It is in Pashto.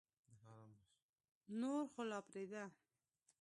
نور خو لا پرېږده.